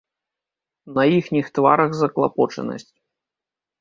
На іхніх тварах заклапочанасць.